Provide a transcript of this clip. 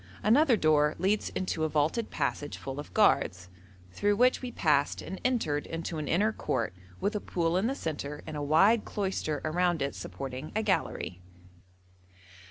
Another door leads into a vaulted passage full of guards, through which we passed and entered into an inner court with a pool in the centre and a wide cloister around it supporting a gallery.